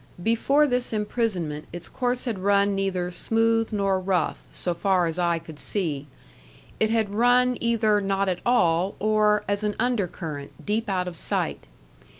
Before this imprisonment its course had run neither smooth nor rough, so far as eye could see; it had run either not at all, or, as an undercurrent, deep out of sight.